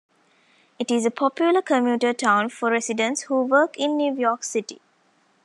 It is a popular commuter town for residents who work in New York City.